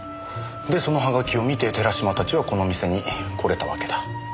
でその葉書を見て寺島たちはこの店に来れたわけだ。